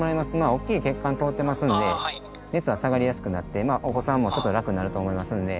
おっきい血管通ってますんで熱は下がりやすくなってまあお子さんもちょっと楽になると思いますんで。